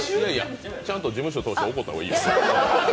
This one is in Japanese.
ちゃんと事務所を通して怒った方がいいよ。